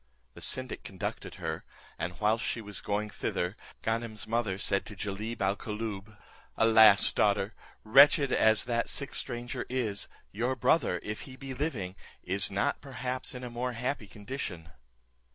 The syndic conducted her, and whilst she was going thither, Ganem's mother said to Jalib al Koolloob, "Alas! daughter, wretched as that sick stranger is, your brother, if he be living, is not perhaps in a more happy condition."